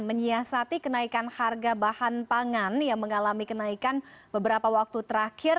menyiasati kenaikan harga bahan pangan yang mengalami kenaikan beberapa waktu terakhir